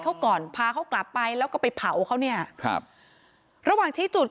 เขาก่อนพาเขากลับไปแล้วก็ไปเผาเขาเนี่ยครับระหว่างชี้จุด